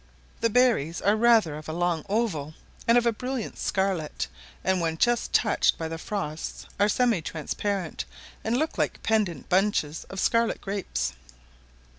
The berries are rather of a long oval, and of a brilliant scarlet, and when just touched by the frosts are semi transparent, and look like pendent bunches of scarlet grapes.